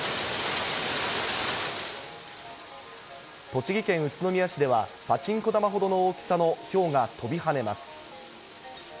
栃木県宇都宮市では、パチンコ玉ほどの大きさのひょうが跳びはねます。